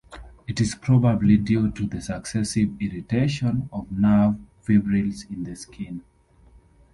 It is probably due to the successive irritation of nerve fibrils in the skin.